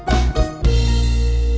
delapan satu komandan